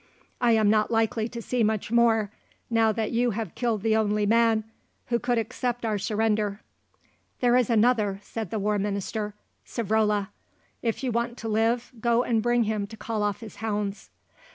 "I am not likely to see much more, now that you have killed the only man who could accept our surrender." "There is another," said the War Minister, "Savrola. If you want to live, go and bring him to call off his hounds."